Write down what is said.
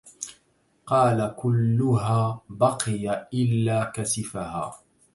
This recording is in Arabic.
قَالَ كُلُّهَا بَقِيَ إلَّا كَتِفَهَا